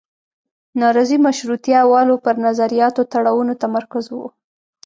نارضي مشروطیه والو پر نظریاتي تړاوونو تمرکز و.